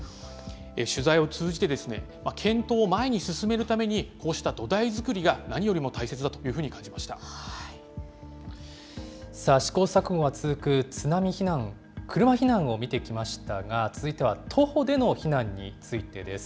取材を通じて、検討を前に進めるために、こうした土台作りが何よりも大切だというふうに感じまし試行錯誤が続く津波避難、車避難を見てきましたが、続いては徒歩での避難についてです。